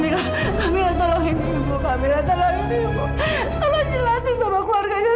dan ibu harus mempertanggungjawabkan semuanya